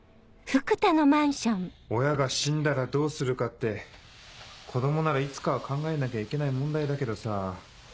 親が死んだらどうするかって子供ならいつかは考えなきゃいけない問題だけどさ。